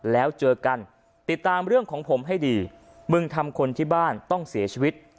แล้วเจอกันติดตามเรื่องของผมให้ดีมึงทำคนที่บ้านต้องเสียชีวิต